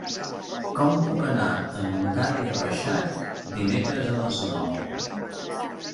Com puc anar a Montcada i Reixac dimecres a les nou?